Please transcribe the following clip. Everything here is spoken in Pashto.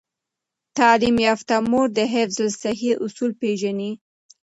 تعلیم یافته مور د حفظ الصحې اصول پیژني۔